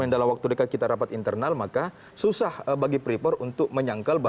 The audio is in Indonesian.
dalam waktu dekat kita rapat internal maka susah bagi freeport untuk menyangkal